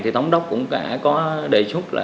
thì tổng đốc cũng đã có đề xuất